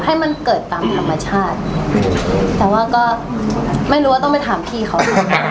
ให้มันเกิดตามธรรมชาติแต่ว่าก็ไม่รู้ว่าต้องไปถามพี่เขา